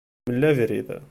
Mel abrid.